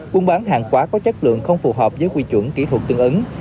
buôn bán hàng quá có chất lượng không phù hợp với quy chuẩn kỹ thuật tương ứng